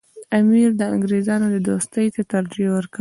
امیر د انګریزانو دوستۍ ته ترجیح ورکوله.